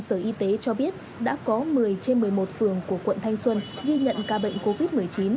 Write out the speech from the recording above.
sở y tế cho biết đã có một mươi trên một mươi một phường của quận thanh xuân ghi nhận ca bệnh covid một mươi chín